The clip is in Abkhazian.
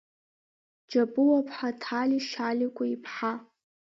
Џьапуаԥҳа Ҭали Шьаликәа-иԥҳа…